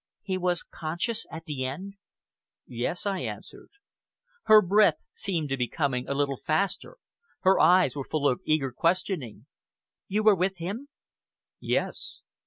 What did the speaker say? "He was conscious at the end?" "Yes!" I answered. Her breath seemed to be coming a little faster. Her eyes were full of eager questioning. "You were with him?" "Yes!"